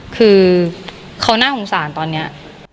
คือเขาน่าสงสารตอนนี้